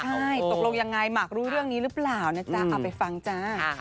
ก็หลงยังไงมักรู้เรื่องนี้รึเปล่านะจ้ะ